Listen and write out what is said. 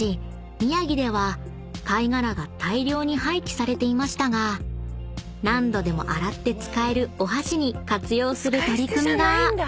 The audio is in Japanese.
宮城では貝殻が大量に廃棄されていましたが何度でも洗って使えるお箸に活用する取り組みが］